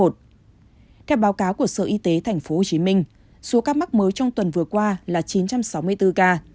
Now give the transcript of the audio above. theo báo cáo của sở y tế thành phố hồ chí minh số các mắc mới trong tuần vừa qua là chín trăm sáu mươi bốn ca